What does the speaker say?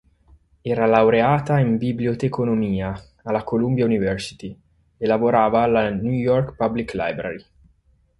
Era laureata in biblioteconomia alla Columbia University e lavorava alla New York Public Library.